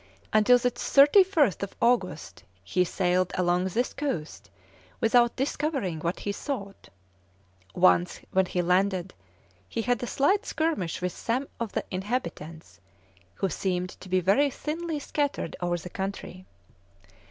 Until the 31st August, he sailed along this coast without discovering what he sought. Once when he landed, he had a slight skirmish with some of the inhabitants, who seemed to be very thinly scattered over the country.